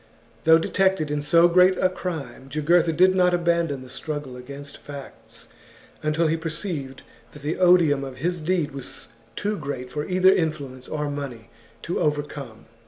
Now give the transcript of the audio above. Though detected in so great a crime, Jugurtha did not abandon the struggle against facts until he perceived that the odium of his deed was too great for either influence or money to overcome.